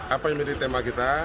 apa yang menjadi tema kita